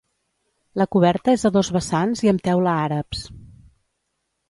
La coberta és a dos vessants i amb teula àrabs.